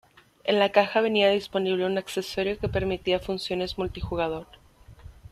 En la caja venía disponible un accesorio que permitía funciones multijugador.